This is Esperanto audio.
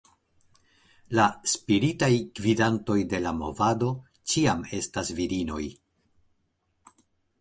La "spiritaj gvidantoj" de la movado ĉiam estas virinoj.